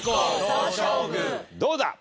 どうだ？